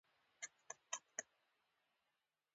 انګور د افغانانو د ګټورتیا برخه ده.